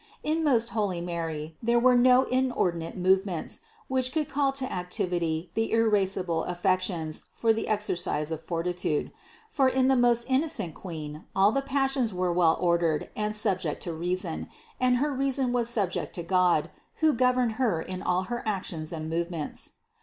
573. In most holy Mary there were no inordinate movements, which could call to activity the irascible affec tions for the exercise of fortitude ; for in the most in nocent Queen all the passions were well ordered and sub ject to reason, and her reason was subject to God, who governed Her in all her actions and movements.